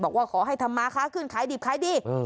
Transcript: บอกว่าขอให้ทำมาค้าขึ้นขายดิบขายดี